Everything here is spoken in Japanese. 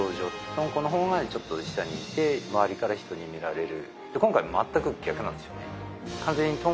とんこの方がちょっと下にいて周りから人に見られる。